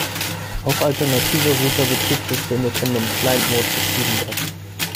Auch alternative Router-Betriebssysteme können im Client Mode betrieben werden.